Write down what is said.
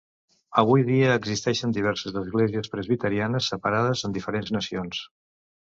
Avui dia existeixen diverses esglésies presbiterianes separades en diferents nacions.